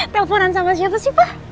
teleponan sama siapa sih pak